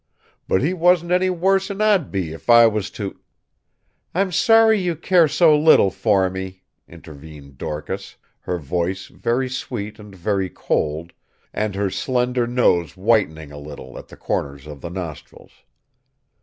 But he wasn't any worse'n I'd be if I was to " "I'm sorry you care so little for me," intervened Dorcas, her voice very sweet and very cold, and her slender nose whitening a little at the corners of the nostrils.